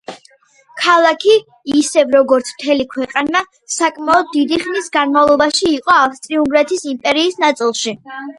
ქალაქი, ისევე როგორც მთელი ქვეყანა, საკმაოდ დიდი ხნის განმავლობაში იყო ავსტრია-უნგრეთის იმპერიის ნაწილი.